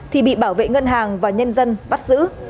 thì bị bảo vệ ngân hàng và nhân dân bắt giữ